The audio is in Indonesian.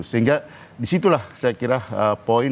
sehingga disitulah saya kira poin